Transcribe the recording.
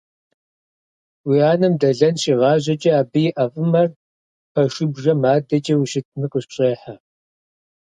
Уи анэм дэлэн щигъажьэкӀэ, абы и ӀэфӀымэр пэшыбжэм адэкӀэ ущытми къыпщӀехьэ.